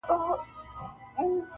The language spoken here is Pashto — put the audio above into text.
چي غزل وي چا لیکلی بې الهامه,